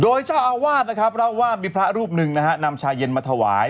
โดยเจ้าอาวาสนะครับเล่าว่ามีพระรูปหนึ่งนะฮะนำชาเย็นมาถวาย